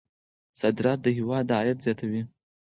صادرات د هېواد عاید زیاتوي.